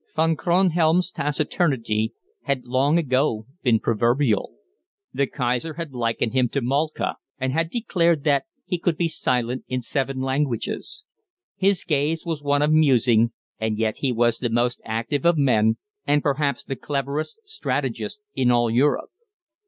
Von Kronhelm's taciturnity had long ago been proverbial. The Kaiser had likened him to Moltke, and had declared that "he could be silent in seven languages." His gaze was one of musing, and yet he was the most active of men, and perhaps the cleverest strategist in all Europe.